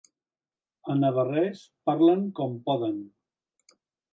A Navarrés parlen com poden.